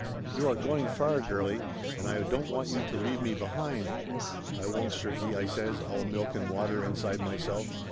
You are going far, girlie, and I don't want you to leave me behind." "I won't, Stricky," I says, all milk and water inside myself.